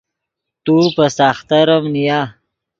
تو پے ساختریم نیا